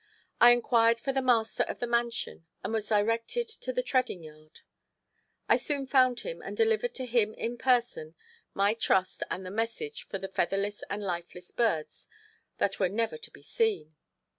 I inquired for the master of the mansion, and was directed to the treading yard. I soon found him, and delivered to him in person my trust and the message for the featherless and lifeless birds that were never to be seen.